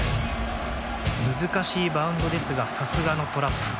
難しいバウンドですがさすがのトラップ。